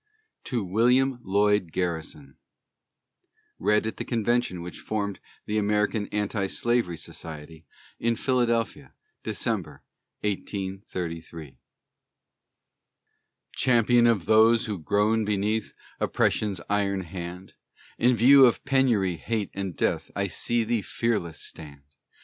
TO WILLIAM LLOYD GARRISON [Read at the Convention which formed the American Anti Slavery Society, in Philadelphia, December, 1833.] Champion of those who groan beneath Oppression's iron hand: In view of penury, hate, and death, I see thee fearless stand.